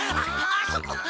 あっそこ！